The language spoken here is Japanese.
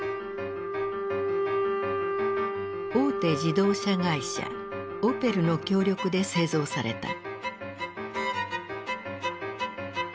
大手自動車会社ＯＰＥＬの協力で製造された。